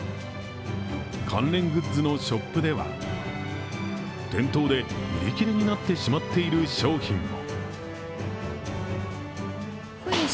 関連グッズのショップでは店頭で売り切れになってしまっている商品も。